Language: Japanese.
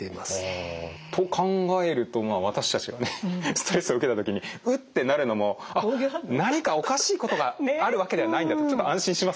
ストレスを受けた時にうってなるのも何かおかしいことがあるわけではないんだとちょっと安心しますね。